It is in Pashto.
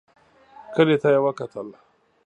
کلي ته يې وکتل.